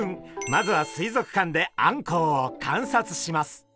まずは水族館であんこうを観察します。